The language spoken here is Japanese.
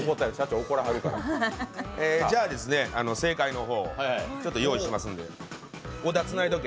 じゃあ正解の方を用意しますので小田つないどけ。